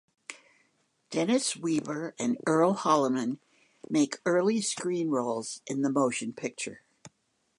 Dennis Weaver and Earl Holliman make early screen roles in the motion picture.